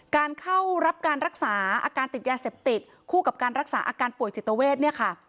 การเข้ารับการรักษาอาการติดยาเสพติดคู่กับการรักษาอาการป่วยจิตเวทเนี่ยค่ะ